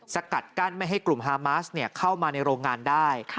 สกัดกั้นไม่ให้กลุ่มฮามาสเข้ามาในโรงงานได้